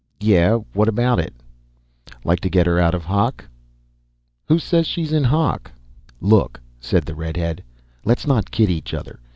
"Yeah, what about it?" "Like to get her out of hock?" "Who says she's in hock?" "Look," said the redhead. "Let's not kid each other.